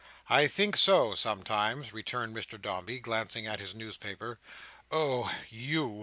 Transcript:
"I think so, sometimes," returned Mr Dombey, glancing at his newspaper. "Oh! You!